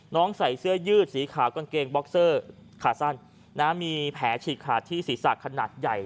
ใส่เสื้อยืดสีขาวกางเกงบ็อกเซอร์ขาสั้นมีแผลฉีกขาดที่ศีรษะขนาดใหญ่